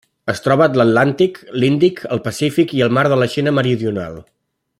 Es troba a l'Atlàntic, l'Índic, el Pacífic i el mar de la Xina Meridional.